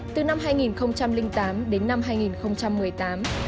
trong một mươi năm từ năm hai nghìn tám đến năm hai nghìn một mươi tám